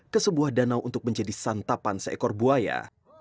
ke sebuah danau untuk menjadi santapan seekor buaya